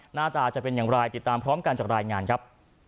หน้าตาจะเป็นอย่างไรติดตามพร้อมกันจากรายงานครับ